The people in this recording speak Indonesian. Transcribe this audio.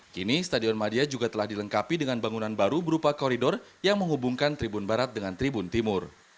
kini stadion madia juga telah dilengkapi dengan bangunan baru berupa koridor yang menghubungkan tribun barat dengan tribun timur